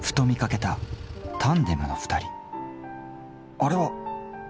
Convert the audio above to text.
あれは！